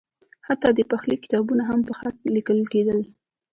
حتی د پخلي کتابونه هم په خط لیکل کېدل.